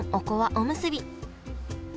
おむすび